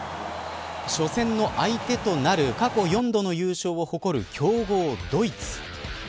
初戦の相手となる過去４度の優勝を誇る強豪ドイツ。